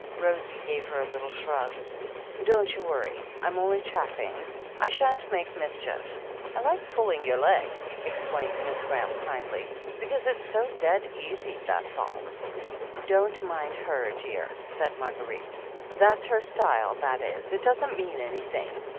Rosie gave her little shrug. "Don't you worry, I'm only chaffing. / shan't make mischief. I like pulling your leg," explained Miss Grraham kindly, "because it's so dead easy, that's all." 134 THE HEEL OF ACHILLES "Don't mind her, dear," said Marguerite. "That's her style, that is. It doesn't mean anything.